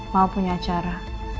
mau punya acara